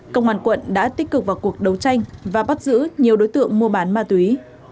công an quận đã tích cực vào cuộc đấu tranh và bắt giữ nhiều đối tượng mua bán ma túy